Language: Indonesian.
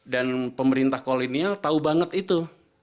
dan pemerintah kolonial tahu banget itu